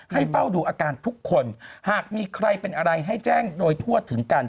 เฝ้าดูอาการทุกคนหากมีใครเป็นอะไรให้แจ้งโดยทั่วถึงกัน